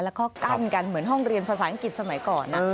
แล้วก็กั้นกันเหมือนห้องเรียนภาษาอังกฤษสมัยก่อน